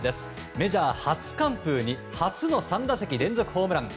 メジャー初完封に初の３打席連続ホームラン。